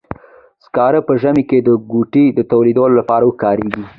سکاره په ژمي کې د کوټې تودولو لپاره کاریږي.